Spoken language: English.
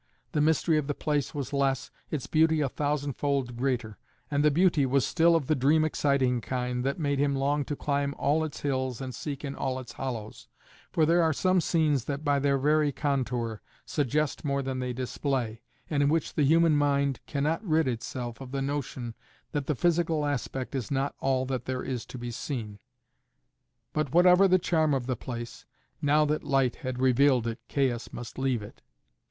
The mystery of the place was less, its beauty a thousandfold greater: and the beauty was still of the dream exciting kind that made him long to climb all its hills and seek in all its hollows, for there are some scenes that, by their very contour, suggest more than they display, and in which the human mind cannot rid itself of the notion that the physical aspect is not all that there is to be seen. But whatever the charm of the place, now that light had revealed it Caius must leave it.